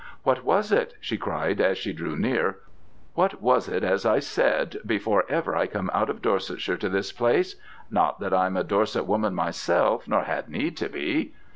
'What was it,' she cried as she drew near, 'what was it as I said, before ever I come out of Dorsetshire to this place? Not that I'm a Dorset woman myself, nor had need to be.